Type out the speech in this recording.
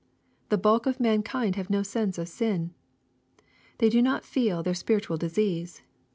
The bulk of mankind have no sense of sin. They do not feel their spiritual disease.